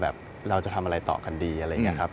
แบบเราจะทำอะไรต่อกันดีอะไรอย่างนี้ครับ